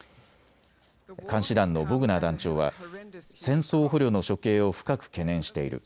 監視団のボグナー団長は戦争捕虜の処刑を深く懸念している。